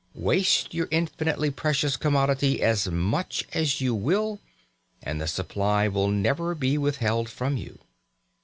Waste your infinitely precious commodity as much as you will, and the supply will never be withheld from you.